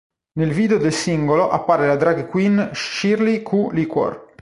Nel video del singolo appare la drag queen Shirley Q. Liquor.